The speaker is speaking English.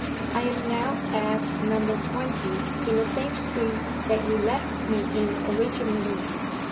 I am now at No. 20 in the same street that you left me in originally.